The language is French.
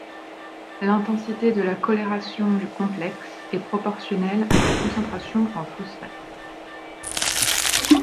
L’intensité de la coloration du complexe est proportionnelle à la concentration en phosphate.